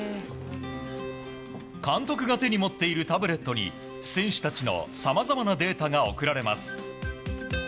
監督が手に持っているタブレットに選手たちのさまざまなデータが送られます。